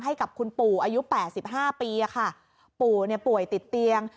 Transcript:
ให้กับคุณปู่อายุแปดสิบห้าปีอะค่ะปู่เนี่ยป่วยติดเตียง